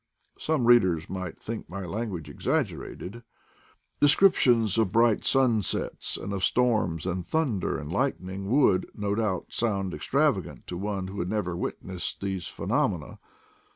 Some readers might think my language exagger ated Descriptions of bright sunsets and of storms with thunder and lightning would, no doubt, sound extravagant to one who had never witnessed these phenomena.